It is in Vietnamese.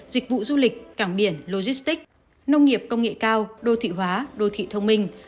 dịch vụ du lịch cảng biển logistics nông nghiệp công nghệ cao đô thị hóa đô thị thông minh